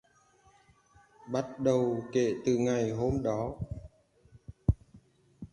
Bắt đầu kể từ ngày hôm đó